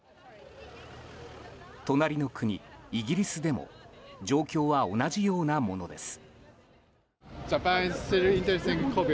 隣の国、イギリスでも状況は同じようなものです。